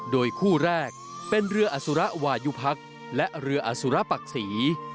โดยคู่แรกเป็นเรืออสุระวายุพักษ์และเรืออสุระปักศรี